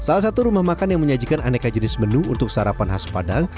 salah satu rumah makan yang menyajikan aneka jenis menu untuk sarapan khas padang